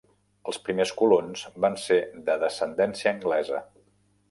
Els primers colons van ser de descendència anglesa.